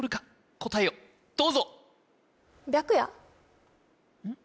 答えをどうぞうん？